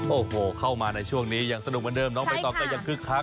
โอ้โหเข้ามาในช่วงนี้ยังสนุกมาเดิมน้องไปต่อเกยะคึกคัก